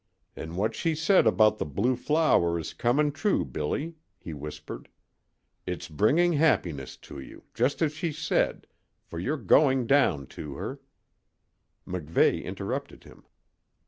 "An' what she said about the blue flower is comin' true, Billy," he whispered. "It's bringing happiness to you, just as she said, for you're going down to her " MacVeigh interrupted him.